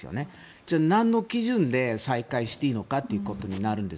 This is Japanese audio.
じゃあ、何の基準で再開していいのかということになるんです。